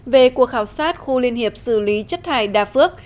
về cuộc khảo sát khu liên hiệp xử lý chất thải đà phước